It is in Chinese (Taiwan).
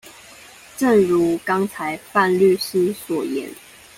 正如剛才范律師所言